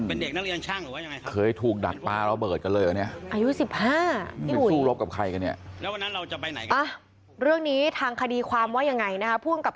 เป็นเด็กนักเรียนช่างหรือว่ายังไงครับ